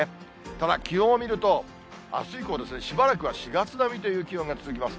ただ気温を見ると、あす以降、しばらくは４月並みという気温が続きます。